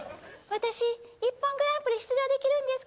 私「ＩＰＰＯＮグランプリ」出場できるんですか？